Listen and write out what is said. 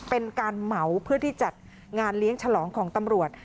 เป็นการเหมาเพื่อที่จัดงานเลี้ยงฉลองของตำรวจ